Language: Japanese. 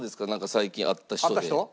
最近会った人で。